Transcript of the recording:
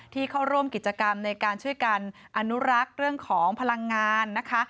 เข้าร่วมกิจกรรมในการช่วยกันอนุรักษ์เรื่องของพลังงานนะคะ